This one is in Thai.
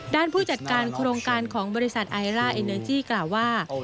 ผู้จัดการโครงการของบริษัทไอล่าเอเนอร์จี้กล่าวว่า